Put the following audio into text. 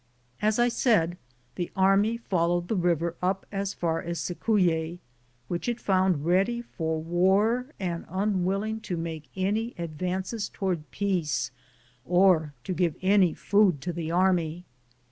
As I said, the army followed the river up as far as Cicuye, which it found ready for war and unwilling to make any advances tow ard peace or to give any food to the army.